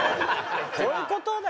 こういう事だよ。